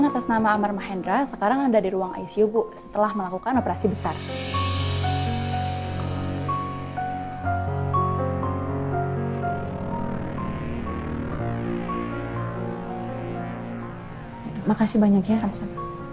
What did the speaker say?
terima kasih banyak ya